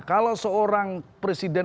kalau seorang presiden